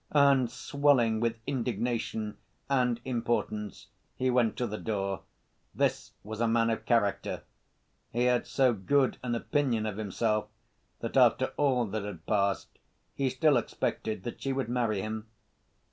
And swelling with indignation and importance he went to the door. This was a man of character: he had so good an opinion of himself that after all that had passed, he still expected that she would marry him.